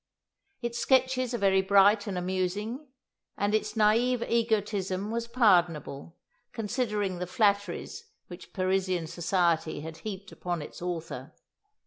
Its sketches are very bright and amusing, and its naïve egotism was pardonable, considering the flatteries which Parisian society had heaped upon its author.